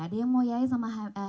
ada yang mau yayai sama hamish